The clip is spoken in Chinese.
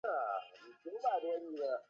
每个章节的标题显示该节的视点角色。